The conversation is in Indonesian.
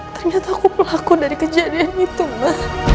ternyata aku pelaku dari kejadian itu mbak